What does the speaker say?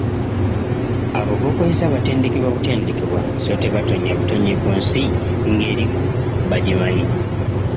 Abo b'okozesa baatendekebwa butendekebwa so tebaatonya butonyi ku nsi ng'emirimu bagimanyi !